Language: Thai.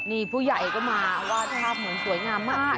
นี่ผู้ใหญ่ก็มาวาดภาพเหมือนสวยงามมาก